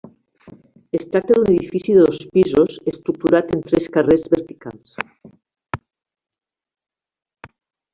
Es tracta d’un edifici de dos pisos, estructurat en tres carrers verticals.